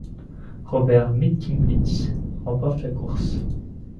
Robert Mintkiewicz remporte la course.